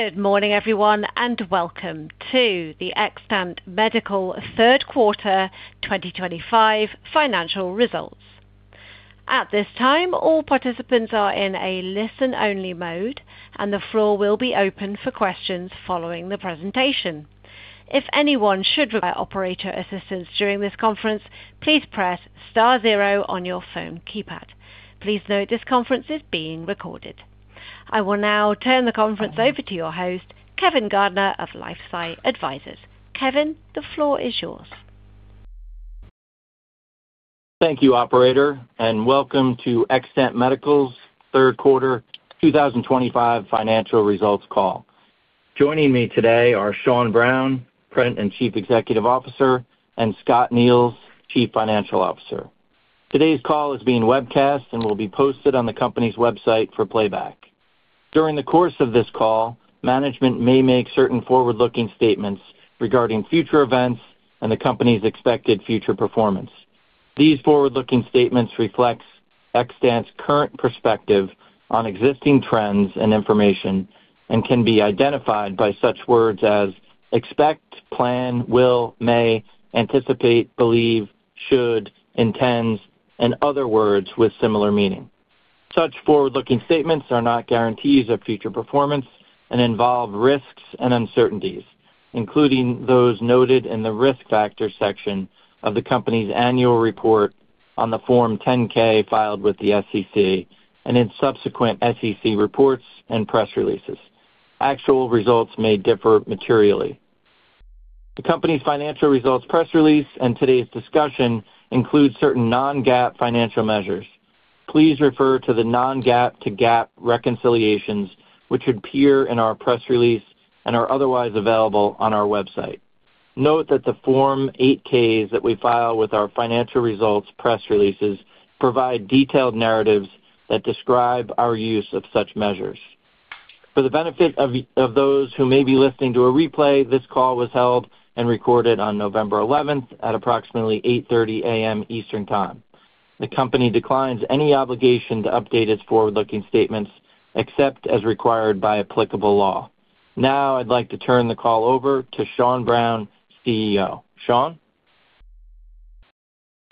Good morning, everyone, and welcome to the Xtant Medical Third Quarter 2025 financial results. At this time, all participants are in a listen-only mode, and the floor will be open for questions following the presentation. If anyone should require operator assistance during this conference, please press star zero on your phone keypad. Please note this conference is being recorded. I will now turn the conference over to your host, Kevin Gardner of LifeSci Advisors. Kevin, the floor is yours. Thank you, Operator, and welcome to Xtant Medical's third quarter 2025 financial results call. Joining me today are Sean Browne, President and Chief Executive Officer, and Scott Niels, Chief Financial Officer. Today's call is being webcast and will be posted on the company's website for playback. During the course of this call, management may make certain forward-looking statements regarding future events and the company's expected future performance. These forward-looking statements reflect Xtant's current perspective on existing trends and information and can be identified by such words as expect, plan, will, may, anticipate, believe, should, intends, and other words with similar meaning. Such forward-looking statements are not guarantees of future performance and involve risks and uncertainties, including those noted in the risk factor section of the company's annual report on the Form 10-K filed with the SEC and in subsequent SEC reports and press releases. Actual results may differ materially. The company's financial results press release and today's discussion include certain non-GAAP financial measures. Please refer to the non-GAAP to GAAP reconciliations, which appear in our press release and are otherwise available on our website. Note that the Form 8-Ks that we file with our financial results press releases provide detailed narratives that describe our use of such measures. For the benefit of those who may be listening to a replay, this call was held and recorded on November 11th at approximately 8:30 A.M. Eastern Time. The company declines any obligation to update its forward-looking statements except as required by applicable law. Now, I'd like to turn the call over to Sean Browne, CEO. Sean?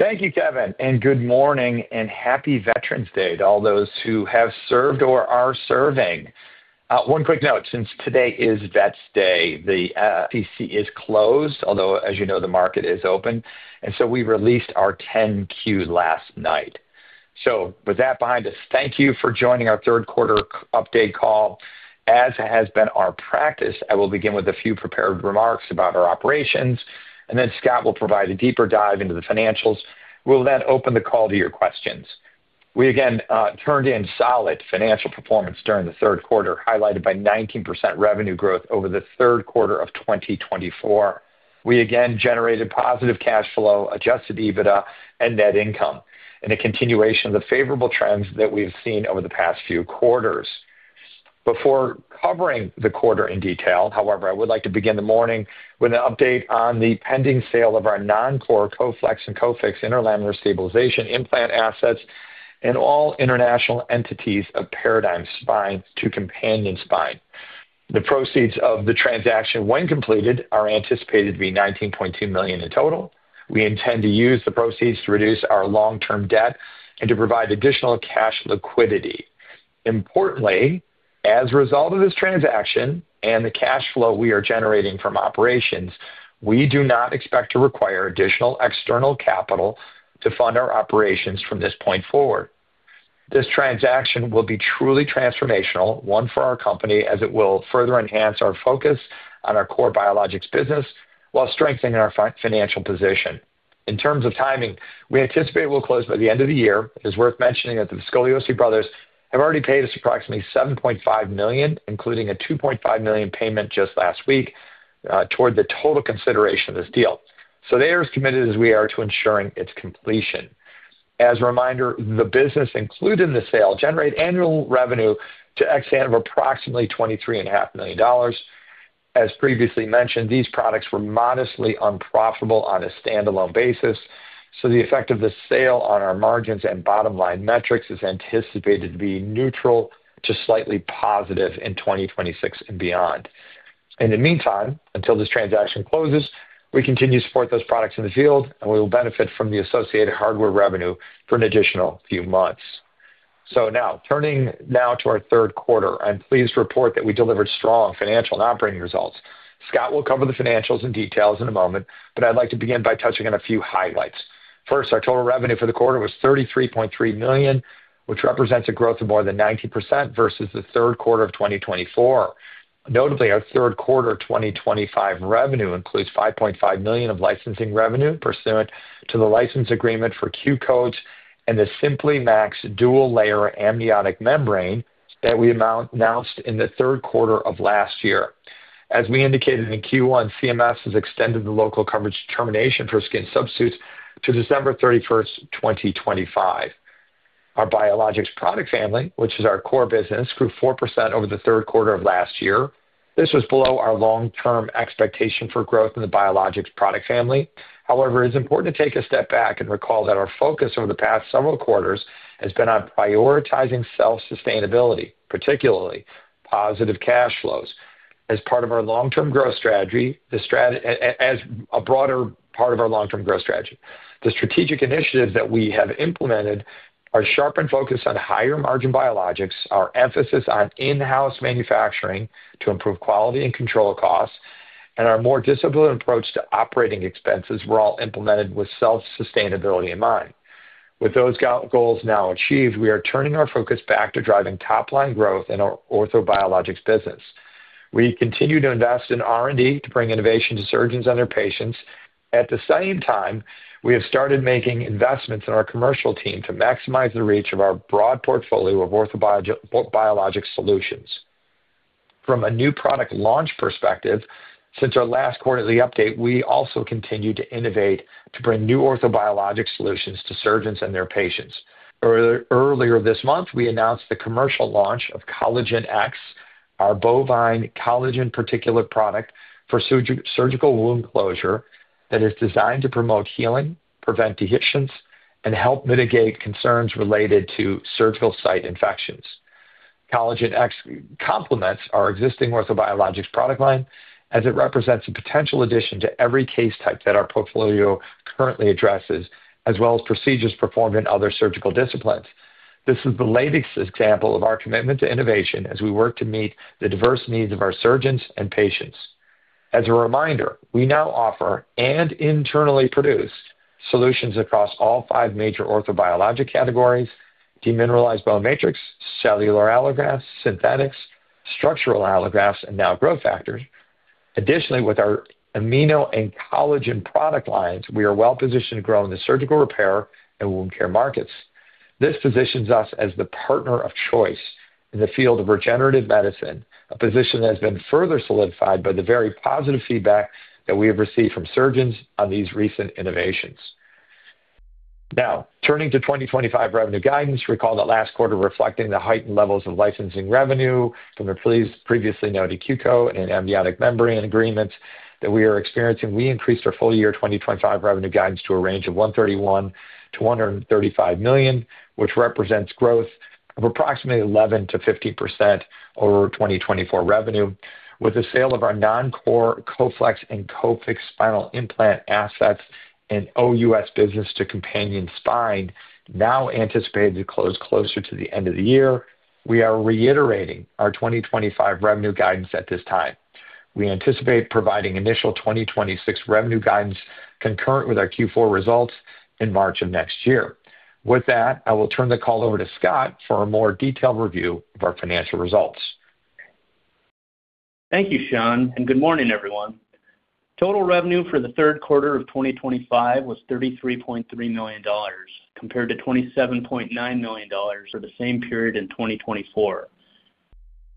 Thank you, Kevin, and good morning and happy Veterans Day to all those who have served or are serving. One quick note, since today is Veterans Day, the SEC is closed, although, as you know, the market is open, and so we released our 10-Q last night. With that behind us, thank you for joining our third quarter update call. As has been our practice, I will begin with a few prepared remarks about our operations, and then Scott will provide a deeper dive into the financials. We'll then open the call to your questions. We again turned in solid financial performance during the third quarter, highlighted by 19% revenue growth over the third quarter of 2024. We again generated positive cash flow, adjusted EBITDA, and net income, and a continuation of the favorable trends that we've seen over the past few quarters. Before covering the quarter in detail, however, I would like to begin the morning with an update on the pending sale of our non-core Coflex and Cofix interlaminar stabilization implant assets in all international entities of Paradigm Spine to Companion Spine. The proceeds of the transaction, when completed, are anticipated to be $19.2 million in total. We intend to use the proceeds to reduce our long-term debt and to provide additional cash liquidity. Importantly, as a result of this transaction and the cash flow we are generating from operations, we do not expect to require additional external capital to fund our operations from this point forward. This transaction will be truly transformational, one for our company, as it will further enhance our focus on our core biologics business while strengthening our financial position. In terms of timing, we anticipate we'll close by the end of the year. It is worth mentioning that the Scoliosis Brothers have already paid us approximately $7.5 million, including a $2.5 million payment just last week toward the total consideration of this deal. They are as committed as we are to ensuring its completion. As a reminder, the business included in the sale generates annual revenue to Xtant of approximately $23.5 million. As previously mentioned, these products were modestly unprofitable on a standalone basis, so the effect of the sale on our margins and bottom line metrics is anticipated to be neutral to slightly positive in 2026 and beyond. In the meantime, until this transaction closes, we continue to support those products in the field, and we will benefit from the associated hardware revenue for an additional few months. Now, turning now to our third quarter, I'm pleased to report that we delivered strong financial and operating results. Scott will cover the financials in detail in a moment, but I'd like to begin by touching on a few highlights. First, our total revenue for the quarter was $33.3 million, which represents a growth of more than 90% versus the third quarter of 2024. Notably, our third quarter 2025 revenue includes $5.5 million of licensing revenue pursuant to the license agreement for Q-Codes and the SimpliMax dual-layer amniotic membrane that we announced in the third quarter of last year. As we indicated in Q1, CMS has extended the local coverage termination for skin substitutes to December 31, 2025. Our biologics product family, which is our core business, grew 4% over the third quarter of last year. This was below our long-term expectation for growth in the biologics product family. However, it is important to take a step back and recall that our focus over the past several quarters has been on prioritizing self-sustainability, particularly positive cash flows. As part of our long-term growth strategy, the strategic initiatives that we have implemented are sharpened focus on higher margin biologics, our emphasis on in-house manufacturing to improve quality and control costs, and our more disciplined approach to operating expenses were all implemented with self-sustainability in mind. With those goals now achieved, we are turning our focus back to driving top-line growth in our orthobiologics business. We continue to invest in R&D to bring innovation to surgeons and their patients. At the same time, we have started making investments in our commercial team to maximize the reach of our broad portfolio of orthobiologic solutions. From a new product launch perspective, since our last quarterly update, we also continue to innovate to bring new orthobiologic solutions to surgeons and their patients. Earlier this month, we announced the commercial launch of CollagenX, our bovine collagen particulate product for surgical wound closure that is designed to promote healing, prevent dehiscence, and help mitigate concerns related to surgical site infections. CollagenX complements our existing orthobiologics product line, as it represents a potential addition to every case type that our portfolio currently addresses, as well as procedures performed in other surgical disciplines. This is the latest example of our commitment to innovation as we work to meet the diverse needs of our surgeons and patients. As a reminder, we now offer and internally produce solutions across all five major orthobiologic categories: demineralized bone matrix, cellular allografts, synthetics, structural allografts, and now growth factors. Additionally, with our amnio and collagen product lines, we are well-positioned to grow in the surgical repair and wound care markets. This positions us as the partner of choice in the field of regenerative medicine, a position that has been further solidified by the very positive feedback that we have received from surgeons on these recent innovations. Now, turning to 2025 revenue guidance, recall that last quarter reflecting the heightened levels of licensing revenue from the previously noted Q-Code and amniotic membrane agreements that we are experiencing, we increased our full year 2025 revenue guidance to a range of $131 million-$135 million, which represents growth of approximately 11%-15% over 2024 revenue. With the sale of our non-core Coflex and Cofix spinal implant assets in OUS business to Companion Spine, now anticipated to close closer to the end of the year, we are reiterating our 2025 revenue guidance at this time. We anticipate providing initial 2026 revenue guidance concurrent with our Q4 results in March of next year. With that, I will turn the call over to Scott for a more detailed review of our financial results. Thank you, Sean, and good morning, everyone. Total revenue for the third quarter of 2025 was $33.3 million, compared to $27.9 million for the same period in 2024.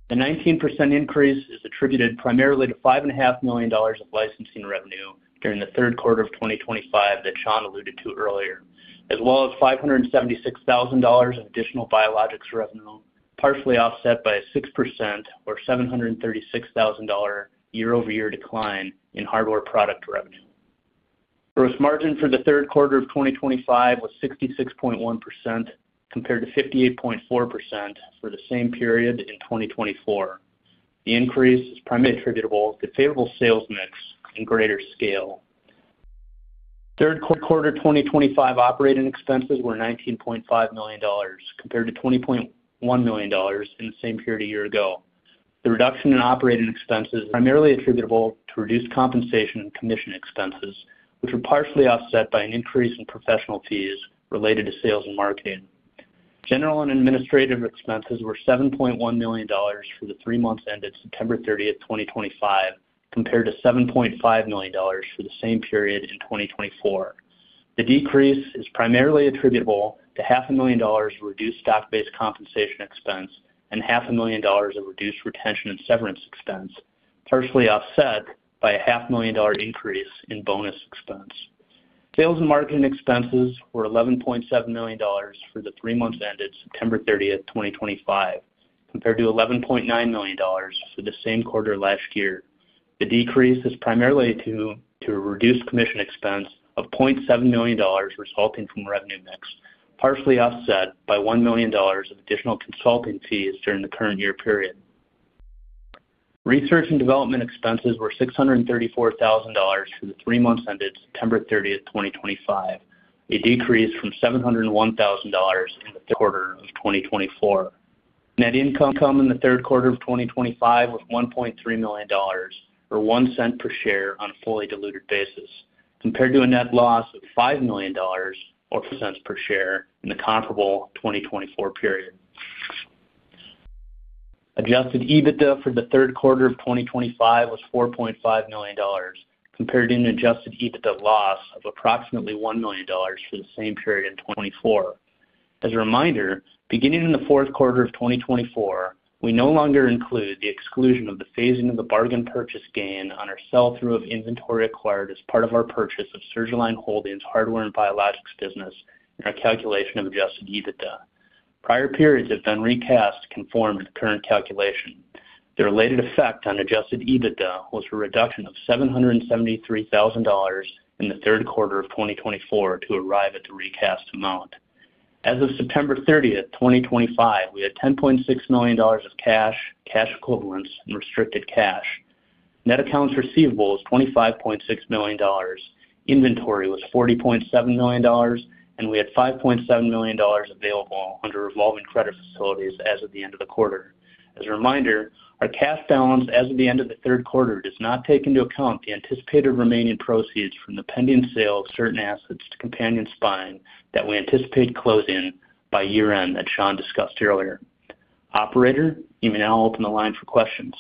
The 19% increase is attributed primarily to $5.5 million of licensing revenue during the third quarter of 2025 that Sean alluded to earlier, as well as $576,000 of additional biologics revenue, partially offset by a 6% or $736,000 year-over-year decline in hardware product revenue. Gross margin for the third quarter of 2025 was 66.1%, compared to 58.4% for the same period in 2024. The increase is primarily attributable to favorable sales mix in greater scale. Third quarter 2025 operating expenses were $19.5 million, compared to $20.1 million in the same period a year ago. The reduction in operating expenses is primarily attributable to reduced compensation and commission expenses, which were partially offset by an increase in professional fees related to sales and marketing. General and administrative expenses were $7.1 million for the three months ended September 30, 2025, compared to $7.5 million for the same period in 2024. The decrease is primarily attributable to $500,000 of reduced stock-based compensation expense and $500,000 of reduced retention and severance expense, partially offset by a $500,000 increase in bonus expense. Sales and marketing expenses were $11.7 million for the three months ended September 30, 2025, compared to $11.9 million for the same quarter last year. The decrease is primarily due to a reduced commission expense of $700,000 resulting from revenue mix, partially offset by $1 million of additional consulting fees during the current year period. Research and development expenses were $634,000 for the three months ended September 30, 2025, a decrease from $701,000 in the third quarter of 2024. Net income in the third quarter of 2025 was $1.3 million or $0.01 per share on a fully diluted basis, compared to a net loss of $5 million or $0.00 per share in the comparable 2024 period. Adjusted EBITDA for the third quarter of 2025 was $4.5 million, compared to an adjusted EBITDA loss of approximately $1 million for the same period in 2024. As a reminder, beginning in the fourth quarter of 2024, we no longer include the exclusion of the phasing of the bargain purchase gain on our sell-through of inventory acquired as part of our purchase of Surgiline Holdings Hardware and Biologics business in our calculation of adjusted EBITDA. Prior periods have been recast to conform to the current calculation. The related effect on adjusted EBITDA was a reduction of $773,000 in the third quarter of 2024 to arrive at the recast amount. As of September 30th, 2025, we had $10.6 million of cash, cash equivalents, and restricted cash. Net accounts receivable was $25.6 million, inventory was $40.7 million, and we had $5.7 million available under revolving credit facilities as of the end of the quarter. As a reminder, our cash balance as of the end of the third quarter does not take into account the anticipated remaining proceeds from the pending sale of certain assets to Companion Spine that we anticipate closing by year-end that Sean discussed earlier. Operator, you may now open the line for questions.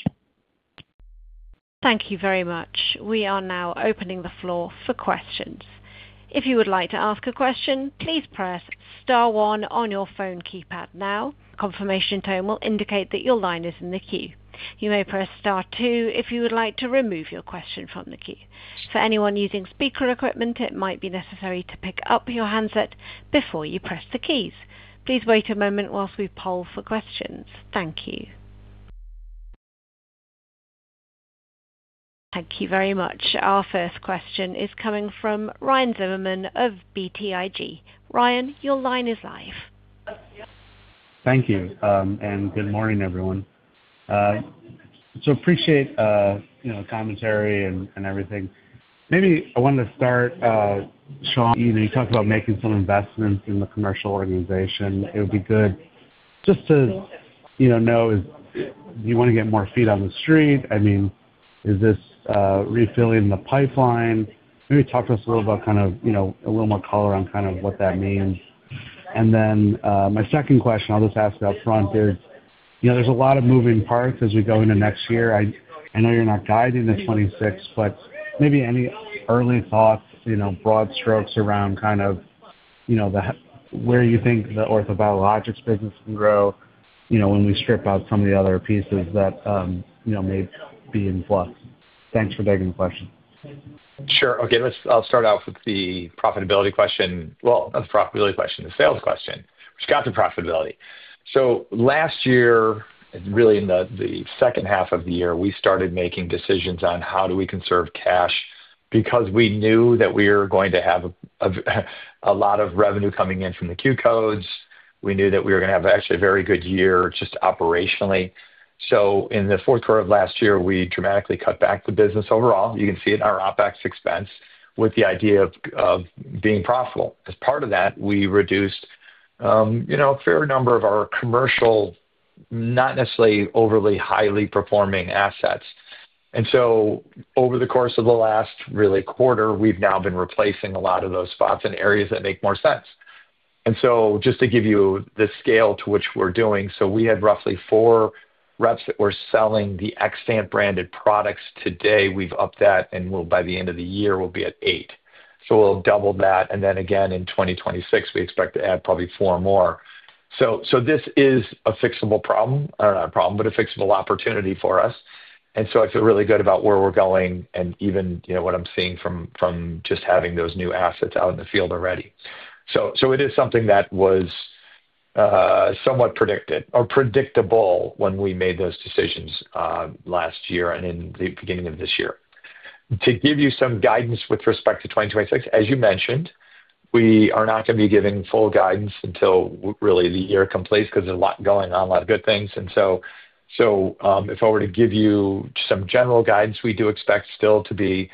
Thank you very much. We are now opening the floor for questions. If you would like to ask a question, please press Star 1 on your phone keypad now. A confirmation tone will indicate that your line is in the queue. You may press Star 2 if you would like to remove your question from the queue. For anyone using speaker equipment, it might be necessary to pick up your handset before you press the keys. Please wait a moment while we poll for questions. Thank you. Thank you very much. Our first question is coming from Ryan Zimmerman of BTIG. Ryan, your line is live. Thank you, and good morning, everyone. Appreciate the commentary and everything. Maybe I wanted to start, Sean, you talked about making some investments in the commercial organization. It would be good just to know, do you want to get more feet on the street? I mean, is this refilling the pipeline? Maybe talk to us a little about kind of a little more color on kind of what that means. My second question, I'll just ask upfront, is there's a lot of moving parts as we go into next year. I know you're not guiding the 26th, but maybe any early thoughts, broad strokes around kind of where you think the orthobiologics business can grow when we strip out some of the other pieces that may be in flux. Thanks for taking the question. Sure. Okay. I'll start off with the profitability question. Not the profitability question, the sales question. We've got the profitability. Last year, really in the second half of the year, we started making decisions on how do we conserve cash because we knew that we were going to have a lot of revenue coming in from the Q-Codes. We knew that we were going to have actually a very good year just operationally. In the fourth quarter of last year, we dramatically cut back the business overall. You can see it in our OpEx expense with the idea of being profitable. As part of that, we reduced a fair number of our commercial, not necessarily overly highly performing assets. Over the course of the last really quarter, we've now been replacing a lot of those spots in areas that make more sense. Just to give you the scale to which we're doing, we had roughly four reps that were selling the Xtant-branded products today. We've upped that, and by the end of the year, we'll be at eight. We'll double that. Again, in 2026, we expect to add probably four more. This is a fixable problem, or not a problem, but a fixable opportunity for us. I feel really good about where we're going and even what I'm seeing from just having those new assets out in the field already. It is something that was somewhat predictive or predictable when we made those decisions last year and in the beginning of this year. To give you some guidance with respect to 2026, as you mentioned, we are not going to be giving full guidance until really the year completes because there is a lot going on, a lot of good things. If I were to give you some general guidance, we do expect still to be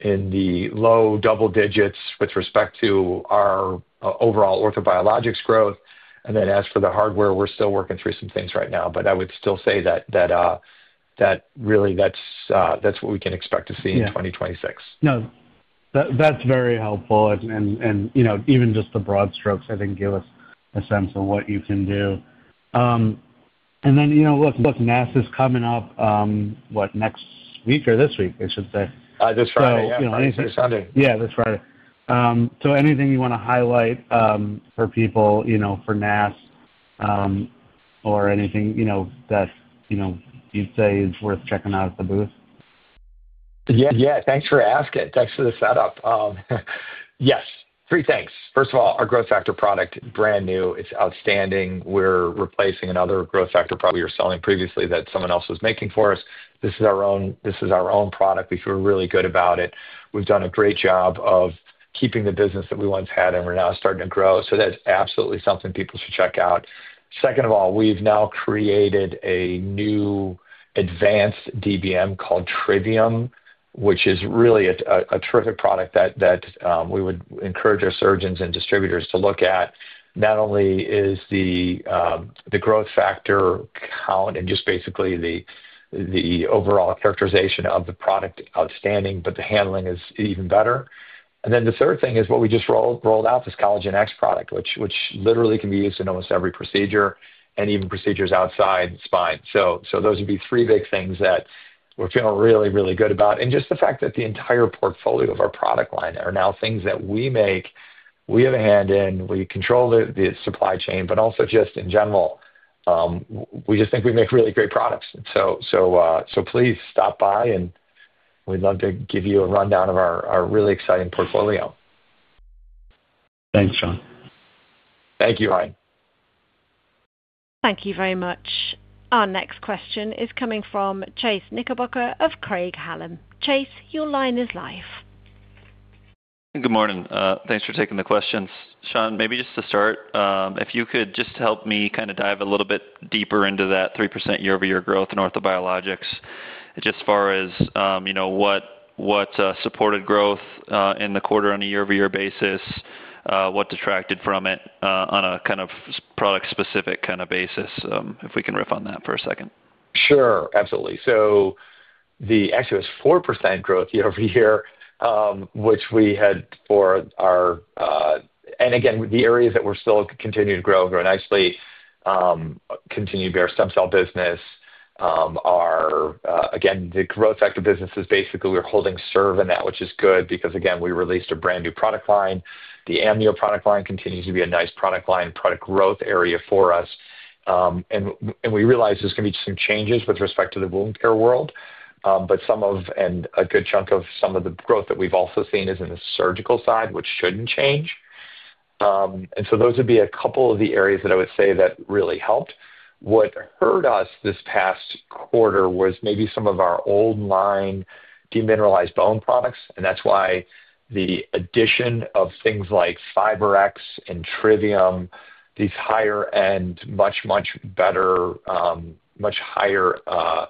in the low double digits with respect to our overall orthobiologics growth. As for the hardware, we are still working through some things right now, but I would still say that really that is what we can expect to see in 2026. No. That's very helpful. Even just the broad strokes, I think, give us a sense of what you can do. Look, NAS is coming up, what, next week or this week, I should say. This Friday. Yeah, this Friday. Anything you want to highlight for people, for NAS, or anything that you'd say is worth checking out at the booth? Yeah. Thanks for asking. Thanks for the setup. Yes. Three things. First of all, our growth factor product is brand new. It's outstanding. We're replacing another growth factor product we were selling previously that someone else was making for us. This is our own product. We feel really good about it. We've done a great job of keeping the business that we once had, and we're now starting to grow. That's absolutely something people should check out. Second of all, we've now created a new advanced DBM called Trivium, which is really a terrific product that we would encourage our surgeons and distributors to look at. Not only is the growth factor count and just basically the overall characterization of the product outstanding, but the handling is even better. The third thing is what we just rolled out, this CollagenX product, which literally can be used in almost every procedure and even procedures outside spine. Those would be three big things that we're feeling really, really good about. The fact that the entire portfolio of our product line are now things that we make. We have a hand in. We control the supply chain, but also just in general, we just think we make really great products. Please stop by, and we'd love to give you a rundown of our really exciting portfolio. Thanks, Sean. Thank you, Ryan. Thank you very much. Our next question is coming from Chase Knickerbocker of Craig-Hallum. Chase, your line is live. Good morning. Thanks for taking the questions. Sean, maybe just to start, if you could just help me kind of dive a little bit deeper into that 3% year-over-year growth in orthobiologics, just as far as what supported growth in the quarter on a year-over-year basis, what detracted from it on a kind of product-specific kind of basis, if we can riff on that for a second. Sure. Absolutely. The actually was 4% growth year-over-year, which we had for our, and again, the areas that we're still continuing to grow, grow nicely, continue to be our stem cell business. Again, the growth factor business is basically we're holding serve in that, which is good because, again, we released a brand new product line. The amnio product line continues to be a nice product line, product growth area for us. We realize there's going to be some changes with respect to the wound care world, but some of and a good chunk of some of the growth that we've also seen is in the surgical side, which should not change. Those would be a couple of the areas that I would say that really helped. What hurt us this past quarter was maybe some of our old line demineralized bone products, and that's why the addition of things like FiberX and Trivium, these higher-end, much, much better, much higher, not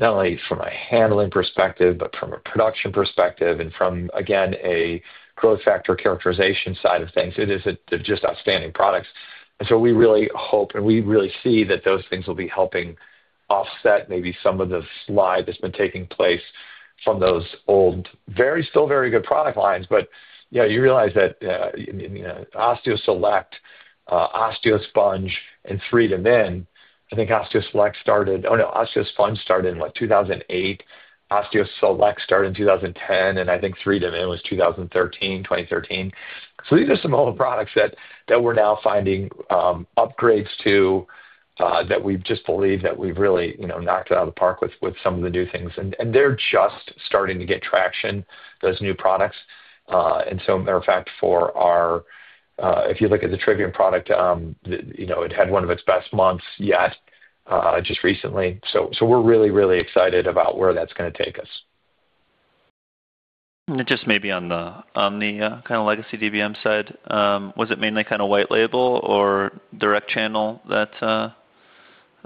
only from a handling perspective, but from a production perspective, and from, again, a growth factor characterization side of things, it is just outstanding products. We really hope and we really see that those things will be helping offset maybe some of the slide that's been taking place from those old, still very good product lines. You realize that OsteoSelect, OsteoSponge, and 3Demin, I think OsteoSelect started, oh, no, OsteoSponge started in, what, 2008. OsteoSelect started in 2010, and I think 3Demin was 2013, 2013. These are some old products that we're now finding upgrades to that we just believe that we've really knocked it out of the park with some of the new things. They're just starting to get traction, those new products. As a matter of fact, if you look at the Trivium product, it had one of its best months yet just recently. We're really, really excited about where that's going to take us. Just maybe on the kind of legacy DBM side, was it mainly kind of white label or direct channel that?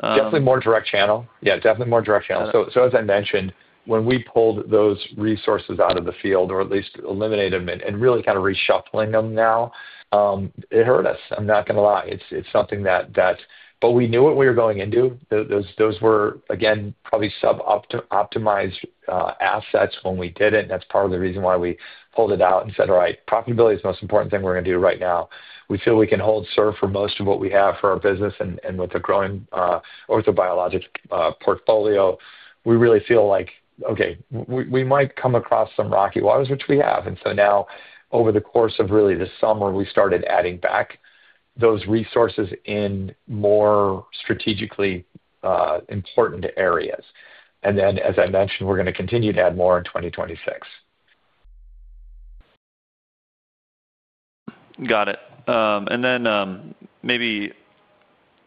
Definitely more direct channel. Yeah, definitely more direct channel. As I mentioned, when we pulled those resources out of the field, or at least eliminated them and really kind of reshuffling them now, it hurt us, I'm not going to lie. It is something that, but we knew what we were going into. Those were, again, probably sub-optimized assets when we did it. That is part of the reason why we pulled it out and said, "All right, profitability is the most important thing we're going to do right now." We feel we can hold serve for most of what we have for our business. With a growing orthobiologic portfolio, we really feel like, "Okay, we might come across some rocky waters," which we have. Now, over the course of really the summer, we started adding back those resources in more strategically important areas. As I mentioned, we're going to continue to add more in 2026. Got it. Maybe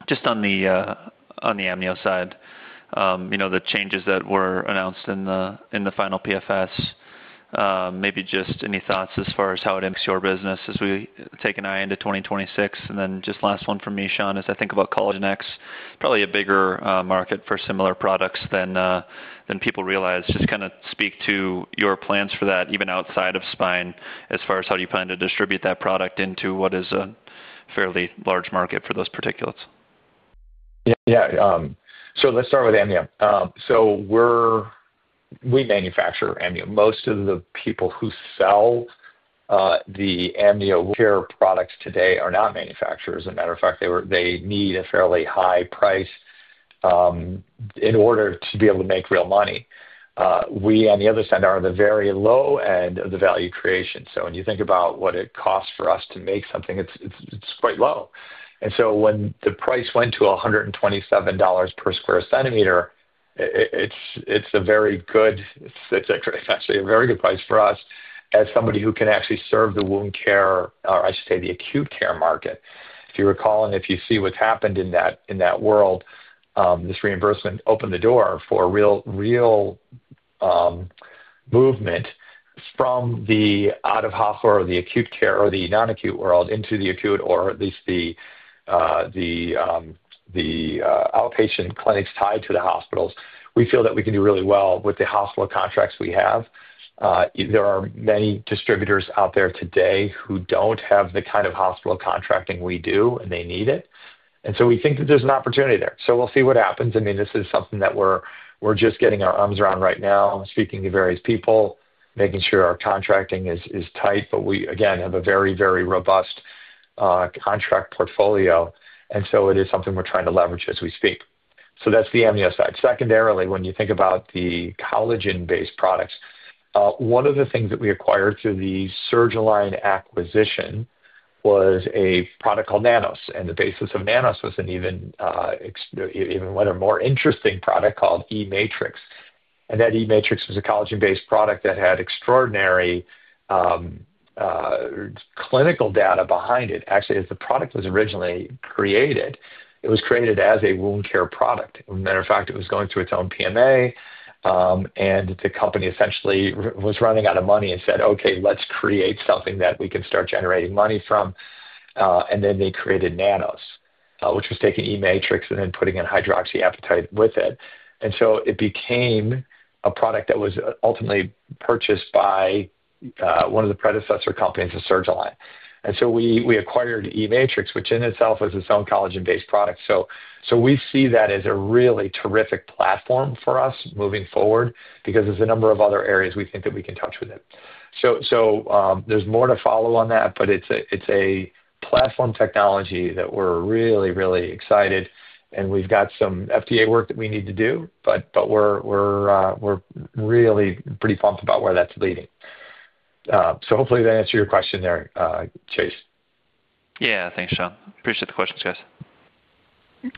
just on the amnio side, the changes that were announced in the final PFS, maybe just any thoughts as far as how it impacts your business as we take an eye into 2026. Just last one for me, Sean, as I think about CollagenX, probably a bigger market for similar products than people realize. Just kind of speak to your plans for that, even outside of spine, as far as how do you plan to distribute that product into what is a fairly large market for those particulates. Yeah. Let's start with amnio. We manufacture amnio. Most of the people who sell the amnio care products today are not manufacturers. As a matter of fact, they need a fairly high price in order to be able to make real money. We, on the other side, are the very low end of the value creation. When you think about what it costs for us to make something, it's quite low. When the price went to $127 per sq cm, it's a very good, it's actually a very good price for us as somebody who can actually serve the wound care, or I should say the acute care market. If you recall, and if you see what's happened in that world, this reimbursement opened the door for real movement from the out-of-hospital or the acute care or the non-acute world into the acute, or at least the outpatient clinics tied to the hospitals. We feel that we can do really well with the hospital contracts we have. There are many distributors out there today who do not have the kind of hospital contracting we do, and they need it. We think that there is an opportunity there. We will see what happens. I mean, this is something that we are just getting our arms around right now, speaking to various people, making sure our contracting is tight, but we, again, have a very, very robust contract portfolio. It is something we are trying to leverage as we speak. That is the amnio side. Secondarily, when you think about the collagen-based products, one of the things that we acquired through the Surgiline acquisition was a product called Nanos. The basis of Nanos was an even more interesting product called E-Matrix. That E-Matrix was a collagen-based product that had extraordinary clinical data behind it. Actually, as the product was originally created, it was created as a wound care product. As a matter of fact, it was going through its own PMA, and the company essentially was running out of money and said, "Okay, let's create something that we can start generating money from." They created Nanos, which was taking E-Matrix and then putting in hydroxyapatite with it. It became a product that was ultimately purchased by one of the predecessor companies, Surgiline. We acquired E-Matrix, which in itself is its own collagen-based product. We see that as a really terrific platform for us moving forward because there's a number of other areas we think that we can touch with it. There's more to follow on that, but it's a platform technology that we're really, really excited about. We've got some FDA work that we need to do, but we're really pretty pumped about where that's leading. Hopefully that answered your question there, Chase. Yeah. Thanks, Sean. Appreciate the questions, guys.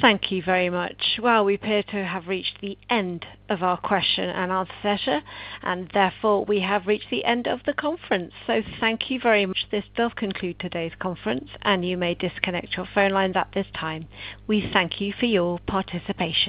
Thank you very much. We appear to have reached the end of our question and answer session, and therefore, we have reached the end of the conference. Thank you very much. This does conclude today's conference, and you may disconnect your phone lines at this time. We thank you for your participation.